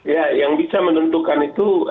ya yang bisa menentukan itu